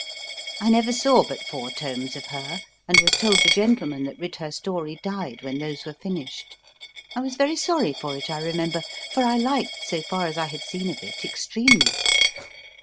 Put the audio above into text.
I never saw but four tomes of her, and was told the gentleman that writ her story died when those were finished. I was very sorry for it, I remember, for I liked so far as I had seen of it extremely.